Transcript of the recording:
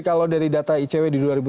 kalau dari data icw di dua ribu tujuh belas